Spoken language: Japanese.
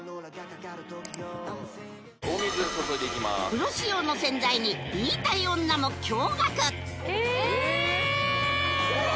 プロ仕様の洗剤に言いたい女も驚がくえ！